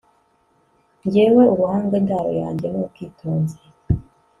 jyewe ubuhanga, indaro yanjye ni ubwitonzi